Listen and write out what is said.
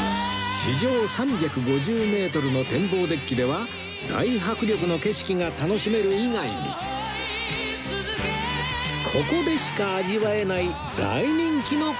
地上３５０メートルの天望デッキでは大迫力の景色が楽しめる以外にここでしか味わえない大人気のコーナーが